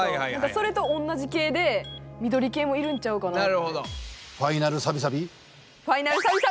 それと同じ系で緑系もいるんちゃうかなって。